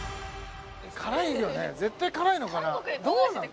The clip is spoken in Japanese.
辛いよね絶対辛いのかなどうなの？